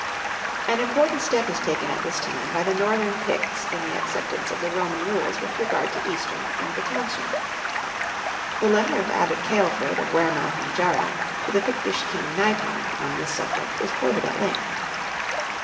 An important step is taken at this time by the Northern Picts in the acceptance of the Roman rules with regard to Easter and the tonsure. The letter of Abbot Ceolfrid of Wearmouth and Jarrow to the Pictish king Naiton on this subject is quoted at length.